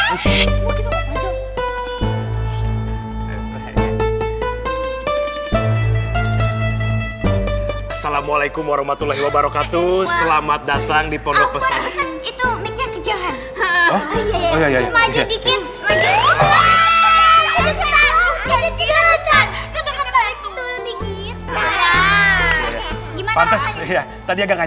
assalamualaikum warahmatullahi wabarakatuh selamat datang di pondok pesan itu